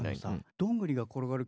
どんぐりが転がる曲？